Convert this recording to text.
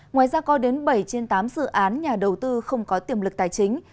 ngoài ra có đến bảy trên tám dự án nhà đầu tư không có tiềm lực tài chính